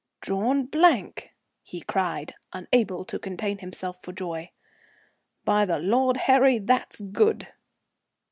"Drawn blank!" he cried, unable to contain himself for joy. "By the Lord Harry, that's good."